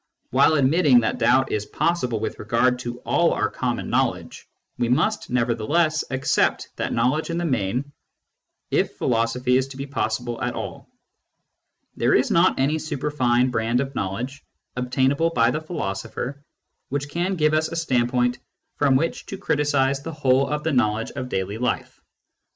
While admitting that doubt is possible with regard to all our common knowledge, we must nevertheless accept that knowledge in the main if philosophy is to be possible at all. There is not any superfine Jbrand of knowledge, obtainable by the philosopher, which can give us a stand point from which to criticise the whole of the knowledge of daily life.